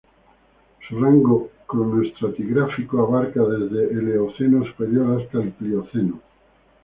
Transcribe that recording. Su rango cronoestratigráfico abarca desde el Eoceno superior hasta el Plioceno.